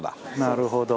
なるほど。